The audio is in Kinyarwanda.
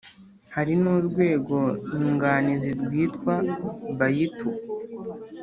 Hari n’urwego nyunganizi rwitwa Bayitu